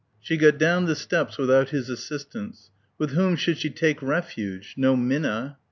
She got down the steps without his assistance. With whom should she take refuge? ... no Minna.